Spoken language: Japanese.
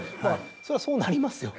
そりゃそうなりますよ。